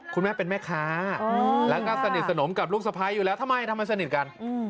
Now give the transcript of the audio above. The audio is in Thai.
คุณแม่เป็นแม่ค้าแล้วก็สนิทสนมกับลูกสะพ้ายอยู่แล้วทำไมทำไมสนิทกัน